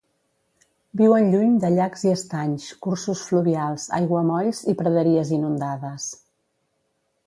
Viuen lluny de llacs i estanys, cursos fluvials, aiguamolls i praderies inundades.